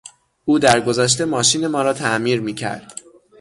او در گذشته ماشین ما را تعمیر میکرد.